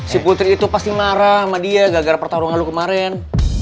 si putri itu pasti marah sama dia gak gara pertarungan lo kemarin